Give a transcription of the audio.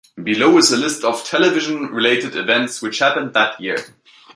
Below is a list of television-related events which happened that year.